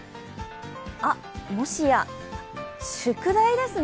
あっ、もしや宿題ですね